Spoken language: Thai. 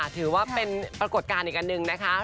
ถือว่าเป็นปรากฏการณ์อีกอันหนึ่งนะคะ